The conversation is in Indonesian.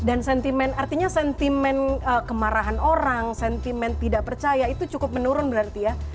dan sentimen artinya sentimen kemarahan orang sentimen tidak percaya itu cukup menurun berarti ya